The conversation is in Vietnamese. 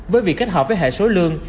với việc kết hợp với hệ số lương